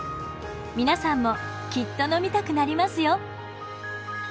皆さんもきっと飲みたくなりますよ。